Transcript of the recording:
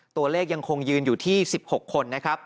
ตัวเลขยังคงยืนอยู่ที่๑๖คนนะครับ